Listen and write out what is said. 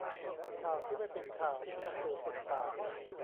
ข่าวที่ไม่เป็นข่าวเมื่อสื่อปิดปาก